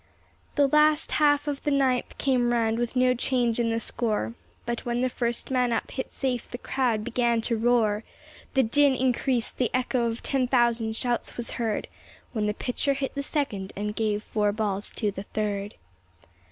The last half of the ninth came round, with no change in the score; But when the first man up hit safe the crowd began to roar. The din increased, the echo of ten thousand shouts was heard When the pitcher hit the second and gave "four balls" to the third.